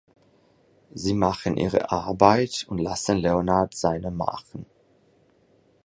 Sie machen ihre Arbeit und lassen Leonard seine machen.